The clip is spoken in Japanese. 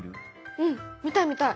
うん見たい見たい！